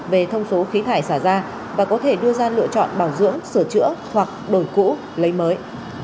về thông số khí thải xả ra và có thể đưa ra lựa chọn bảo dưỡng sửa chữa hoặc đổi cũ lấy mới